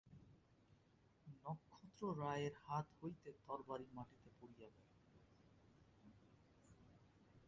নক্ষত্ররায়ের হাত হইতে তরবারি মাটিতে পড়িয়া গেল।